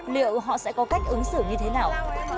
liệu họ sẽ có cách ứng xử như thế nào